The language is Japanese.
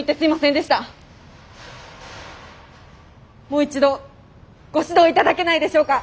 もう一度ご指導頂けないでしょうか。